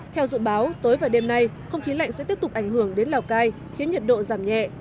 theo dự báo tối và đêm nay không khí lạnh sẽ tiếp tục ảnh hưởng đến lào cai khiến nhiệt độ giảm nhẹ